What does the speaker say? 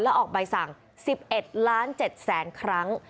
แล้วออกใบสั่ง๑๑ล้าน๗แสนครั้ง